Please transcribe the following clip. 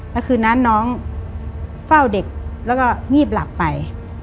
แล้วคืนนั้นน้องเฝ้าเด็กแล้วก็งีบหลับไป